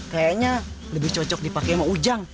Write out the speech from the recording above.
kayaknya lebih cocok dipakai sama ujang